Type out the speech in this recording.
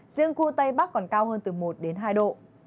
riêng khu tây bắc còn cao hơn từ một đến hai độ